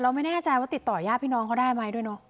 ไม่แน่ใจว่าติดต่อยาดพี่น้องเขาได้ไหมด้วยเนอะ